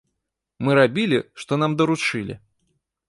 Мы рабілі, што нам даручылі.